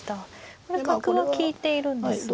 これ角は利いているんですが。